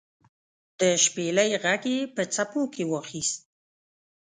د شپیلۍ ږغ یې په څپو کې واخیست